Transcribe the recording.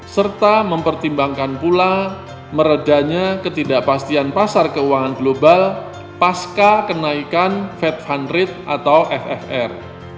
serta mempertimbangkan pula meredanya ketidakpastian pasar keuangan global pasca kenaikan fed fund rate atau ffr